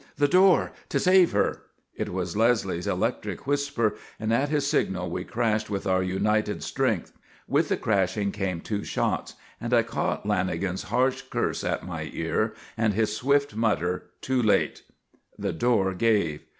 "The door! To save her!" It was Leslie's electric whisper, and at his signal we crashed with our united strength. With the crashing came two shots, and I caught Lanagan's harsh curse at my ear and his swift mutter: "Too late!" The door gave.